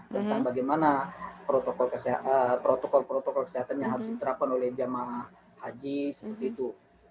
tentang bagaimana protokol protokol kesehatan yang harus diterapkan oleh jamaah haji seperti itu